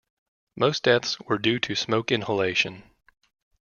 Most deaths were due to smoke inhalation.